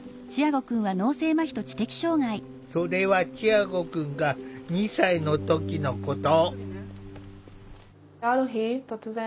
それはチアゴくんが２歳の時のこと。